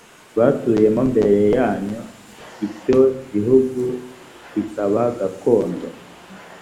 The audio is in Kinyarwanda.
batuyemo mbere yanyu icyo gihugu kikaba gakondo